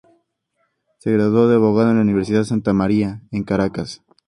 Se graduó de abogado en la Universidad Santa María en Caracas.